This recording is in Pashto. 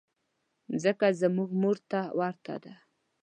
مځکه زموږ مور ته ورته ده.